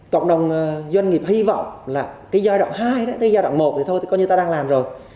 cộng đồng doanh nghiệp hy vọng là giai đoạn hai giai đoạn một thì thôi coi như ta đang làm rồi